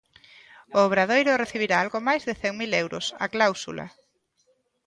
O Obradoiro recibirá algo máis de cen mil euros, a cláusula.